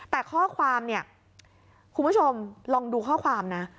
แต่ข้อความเนี่ยคุณผู้ชมลองดูข้อความนะ